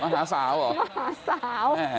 หาสาวเหรอมาหาสาว